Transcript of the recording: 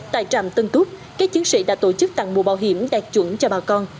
tại trạm tân túc các chứng sĩ đã tổ chức tặng mô bỏ hiểm đạt chuẩn cho bà con